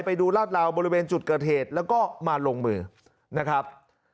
ไปดูลาดลาวบริเวณจุดเกิดเหตุแล้วก็มาลงมือนะครับ